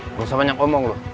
gak usah banyak omong lo